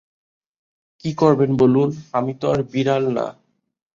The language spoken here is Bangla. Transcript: কি করবেন বলুন, আমি তো আর বিড়াল না।